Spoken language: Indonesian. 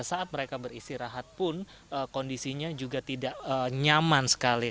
saat mereka beristirahat pun kondisinya juga tidak nyaman sekali